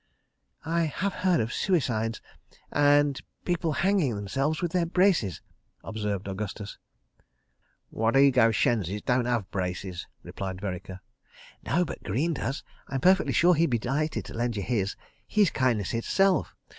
"I have heard of suicides—and—people hanging themselves with their braces," observed Augustus. "Wadego shenzis don't have braces," replied Vereker. "No, but Greene does. I'm perfectly sure he'd be delighted to lend you his. He's kindness itself.